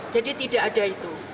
jadi tidak ada itu